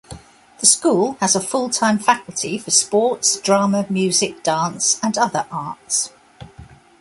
The school has a full-time faculty for sports, drama, music, dance and other arts.